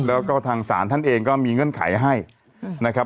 แล้วก็ทางศาลท่านเองก็มีเงื่อนไขให้นะครับ